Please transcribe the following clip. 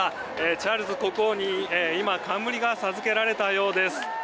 チャールズ国王に今冠が授けられたようです。